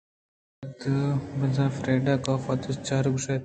تو وت بزاںفریڈا ءَ کاف ءِ دست چاراِت ءُگوٛشت